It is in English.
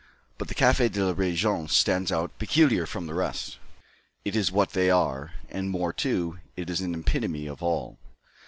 But the Café de la Régence stands out peculiar from the rest; it is what they are, and more too. It is an epitome of all.